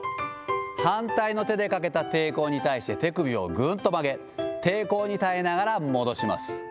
反対の手でかけた抵抗に対して手首をぐーっと曲げ、抵抗に耐えながら戻します。